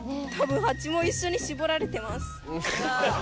たぶんハチも一緒に絞られてます。